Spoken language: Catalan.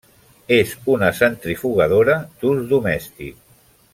És una centrifugadora d'ús domèstic.